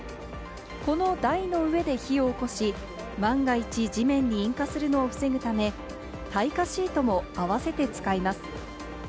この台の上で火をおこし、万が一、地面に引火するのを防ぐため、耐火シートも合わせて使います。